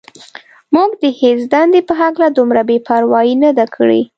موږ د هېڅ دندې په هکله دومره بې پروايي نه ده کړې.